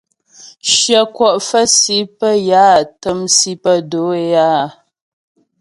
Shyə kwɔ' fə̌ si pə́ yə á təm si pə́ do'o é áa.